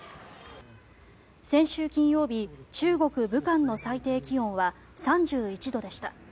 先週金曜日、中国・武漢の最低気温は３１度でした。